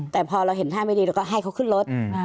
แต่พอเราเห็นท่าไม่ดีเราก็ให้เขาขึ้นรถ